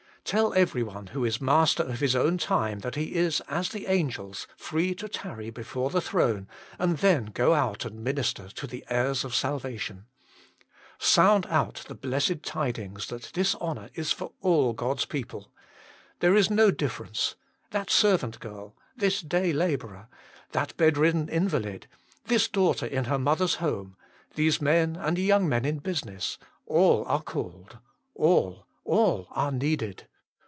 Tell everyone who is master of his own time that he is as the angels, free to tarry before the throne and then go out and minister to the heirs of salvation. Sound out the blessed tidings that this honour is for all God s people. There is no GOD SEEKS INTERCESSORS 179 difference. That servant girl, this day labourer, that bedridden invalid, this daughter in her mother s home, these men and young men in business all are called, all, all are needed.